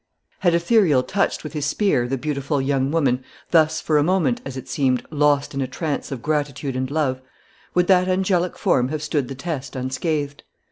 Had Ithuriel touched with his spear the beautiful young woman, thus for a moment, as it seemed, lost in a trance of gratitude and love, would that angelic form have stood the test unscathed?